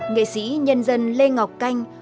nghệ sĩ nhân dân lê ngọc canh